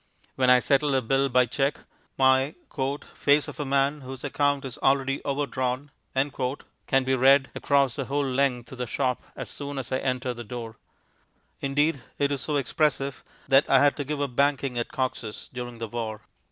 When I settle a bill by cheque, my "face of a man whose account is already overdrawn" can be read across the whole length of the shop as soon as I enter the door. Indeed, it is so expressive that I had to give up banking at Cox's during the war.